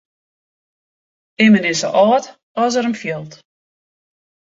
Immen is sa âld as er him fielt.